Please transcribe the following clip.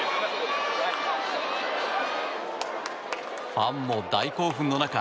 ファンも大興奮の中